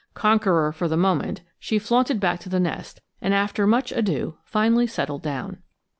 Conqueror for the moment, she flaunted back to the nest, and after much ado finally settled down.